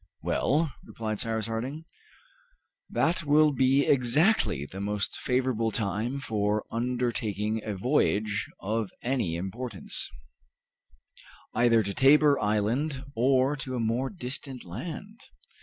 "Well," replied Cyrus Harding, "that will be exactly the most favorable time for undertaking a voyage of any importance, either to Tabor Island or to a more distant land."